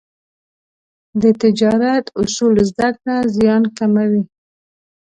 د تجارت اصول زده کړه، زیان کموي.